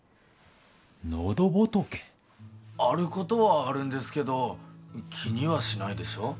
あることはあるんですけど気にはしないでしょう？